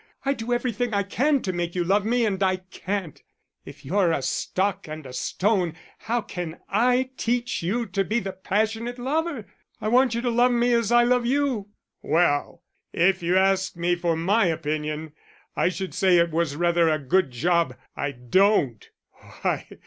"I do everything I can to make you love me and I can't. If you're a stock and a stone, how can I teach you to be the passionate lover? I want you to love me as I love you." "Well, if you ask me for my opinion I should say it was rather a good job I don't.